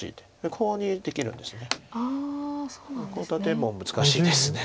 コウ立ても難しいです。